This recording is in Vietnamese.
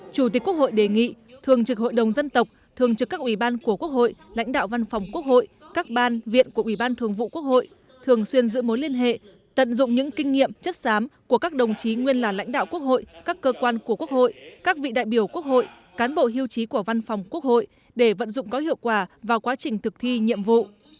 chủ tịch quốc hội đề nghị thường trực hội đồng dân tộc thường trực các ủy ban của quốc hội lãnh đạo văn phòng quốc hội các ban viện của ủy ban thường vụ quốc hội thường xuyên giữ mối liên hệ tận dụng những kinh nghiệm chất xám của các đồng chí nguyên là lãnh đạo quốc hội các cơ quan của quốc hội các vị đại biểu quốc hội cán bộ hiêu chí của văn phòng quốc hội để vận dụng có hiệu quả vào quá trình thực thi nhiệm vụ